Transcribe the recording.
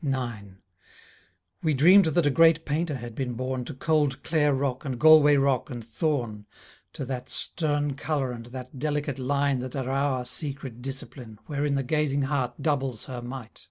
9 We dreamed that a great painter had been born To cold Clare rock and Galway rock and thorn, To that stern colour and that delicate line That are our secret discipline Wherein the gazing heart doubles her might.